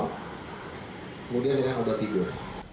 kemudian dengan obat tidur